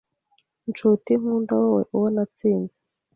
Nshuti nkunda wowe uwo natsinze